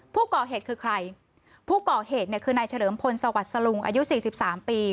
ผู้ก่อเหตุคือใครผู้ก่อเหตุคือนายเฉลิมพลสวัสดิ์สลุงอายุ๔๓ปี